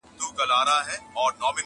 د هلک موري سرلوړي په جنت کي دي ځای غواړم-